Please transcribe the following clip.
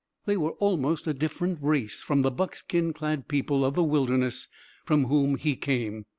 They were almost a different race from the buckskin clad people of the wilderness from whom he came.